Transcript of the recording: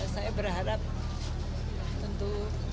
saya berharap tentu